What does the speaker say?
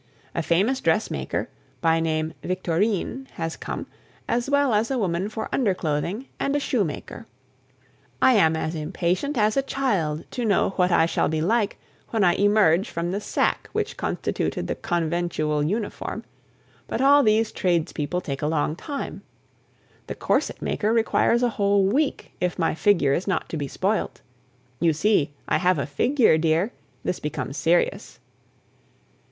A famous dressmaker, by name Victorine, has come, as well as a woman for underclothing, and a shoemaker. I am as impatient as a child to know what I shall be like when I emerge from the sack which constituted the conventual uniform; but all these tradespeople take a long time; the corset maker requires a whole week if my figure is not to be spoilt. You see, I have a figure, dear; this becomes serious.